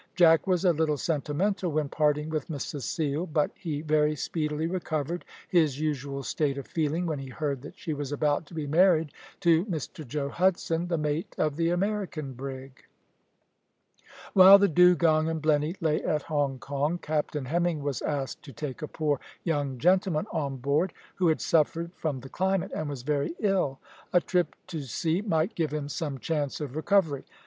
Jack was a little sentimental when parting with Miss Cecile, but he very speedily recovered his usual state of feeling when he heard that she was about to be married to Mr Joe Hudson, the mate of the American brig. While the Dugong and Blenny lay at Hong Kong, Captain Hemming was asked to take a poor young gentleman on board, who had suffered from the climate, and was very ill. A trip to sea might give him some chance of recovery.